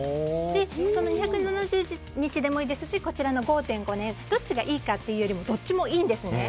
その２７０日でもいいですしこちらの５．５年どっちがいいかというよりもどっちもいいんですね。